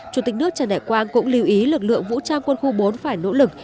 chủ tịch nước trần đại quang cũng lưu ý lực lượng vũ trang quân khu bốn phải nỗ lực